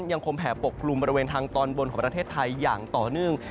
แผ่ปกกลุ่มบริเวณทางตอนบนของประเทศไทยอย่างต่อเนื่อง